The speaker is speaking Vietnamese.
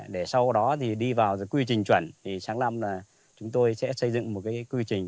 để sau đó thì đi vào quy trình chuẩn thì sáng năm là chúng tôi sẽ xây dựng một cái quy trình